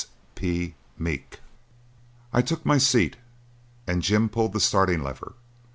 I took my seat, and Jim pulled the starting lever.